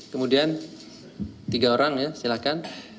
kemudian tiga orang ya silakan